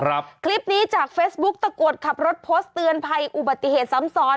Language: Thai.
คลิปนี้จากเฟซบุ๊คตะกรวดขับรถโพสต์เตือนภัยอุบัติเหตุซ้ำซ้อน